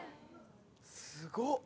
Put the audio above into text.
すごっ！